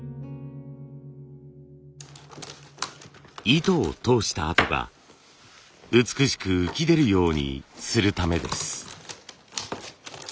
糸を通した跡が美しく浮き出るようにするためです。